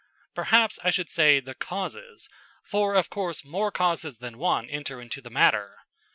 Perhaps I should say the causes, for of course more causes than one enter into the matter.